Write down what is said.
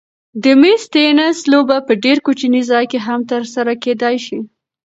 د مېز تېنس لوبه په ډېر کوچني ځای کې هم ترسره کېدای شي.